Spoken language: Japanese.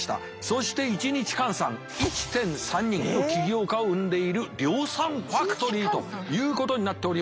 そして１日換算１．３人の起業家を生んでいる量産ファクトリーということになっております。